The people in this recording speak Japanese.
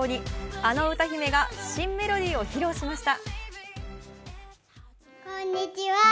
あの歌姫が新メロディーを披露しました。